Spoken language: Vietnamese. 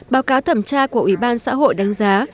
báo cáo thẩm tra của ủy ban xã hội đánh giá